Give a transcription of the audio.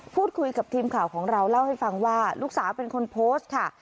พูดคุยกับทีมข่าวของเราเล่าให้ฟังว่าลูกสาวเป็นคนโพสต์ค่ะ